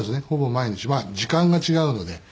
ほぼ毎日まあ時間が違うので。